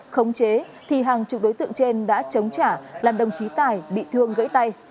khống chế thì hàng chục đối tượng trên đã chống trả làm đồng chí tài bị thương gãy tay